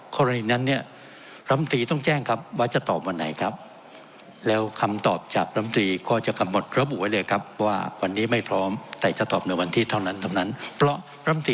คนนั้นเนี่ยรับหนุนตรีต้องแจ้งครับว่าจะตอบวันไหนครับ